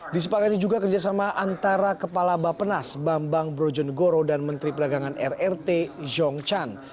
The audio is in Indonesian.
disepakati juga kerjasama antara kepala bapenas bambang brojonegoro dan menteri perdagangan rrt zong chan